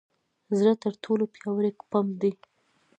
زړه تر ټولو پیاوړې پمپ دی.